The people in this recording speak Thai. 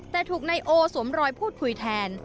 แต่ถูกนายโอสวมรอยพูดคุยแทน